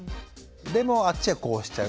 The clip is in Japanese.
でもあっちはこうしちゃうって。